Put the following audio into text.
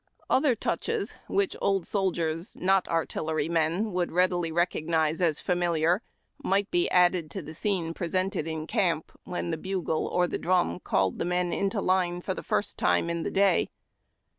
Other touclies, which old soldiers not artillerymen would readily recognize as familiar, might be added to the scene presented in camp, when the bugle or the drum called the men into line for the first time in the day.